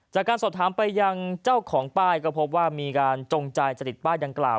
จากการสอบถามไปยังเจ้าของป้ายก็พบว่ามีการจงใจจะติดป้ายดังกล่าว